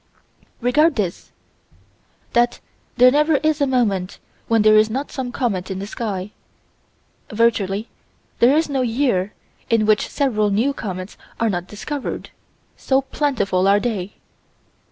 Regard this: That there never is a moment when there is not some comet in the sky. Virtually there is no year in which several new comets are not discovered, so plentiful are they.